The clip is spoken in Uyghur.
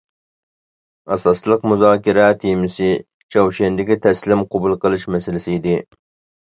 ئاساسلىق مۇزاكىرە تېمىسى چاۋشيەندىكى تەسلىم قوبۇل قىلىش مەسىلىسى ئىدى.